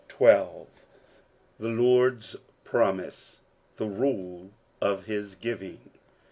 73 THE LORD'S PROMISE— THE RULE OF HIS GIVING.